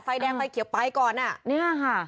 ไฟแดงไปเขียวไปก่อนนี่ค่ะ